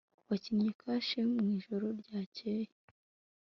Wakinnye kashe mu ijoro ryakeye